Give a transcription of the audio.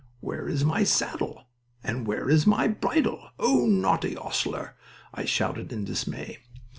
"'Where is my saddle and where is my bridle, oh, naughty 'ostler?' I shouted, in dismay.